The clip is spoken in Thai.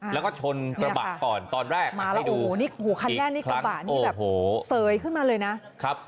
แล้วก็ชนกระบะก่อนตอนแรกมาแล้วดูนี่หูคันแรกนี่กระบะนี่แบบเสยขึ้นมาเลยนะครับ